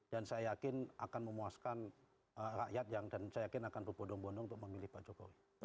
dan saya yakin akan memuaskan rakyat yang dan saya yakin akan berbodong bodong untuk memilih pak jokowi